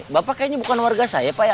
bapak kayaknya bukan warga saya pak ya